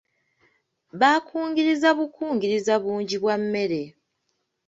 Baakungiriza bukungiriza bungi bwa mmere.